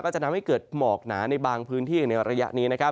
จะทำให้เกิดหมอกหนาในบางพื้นที่ในระยะนี้